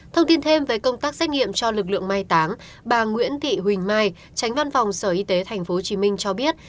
thông tin thêm về công tác xét nghiệm cho lực lượng mai táng bà nguyễn thị huỳnh mai tránh văn phòng sở y tế tp hcm cho biết